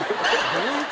どういう事？